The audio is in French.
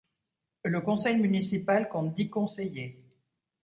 Le conseil municipal compte dix conseillers.